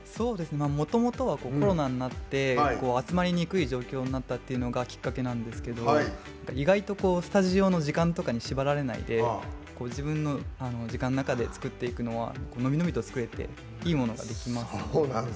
もともとはコロナになって集まりにくい状況になったっていうのがきっかけなんですけど意外とスタジオの時間とかに縛られないで自分の時間の中で作っていくのは伸び伸びと作れていいものができますね。